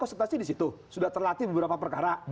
konseptasi disitu sudah terlatih beberapa perkara